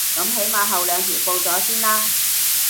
噉起碼後兩條報咗先啦